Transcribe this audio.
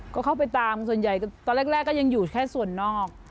ก็เข้าไปตามส่วนใหญ่ตอนแรกก็ยังอยู่แค่ส่วนนอก